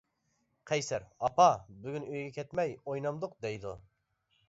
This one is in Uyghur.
قەيسەر:-ئاپا، بۈگۈن ئۆيگە كەتمەي، ئوينامدۇق دەيدۇ.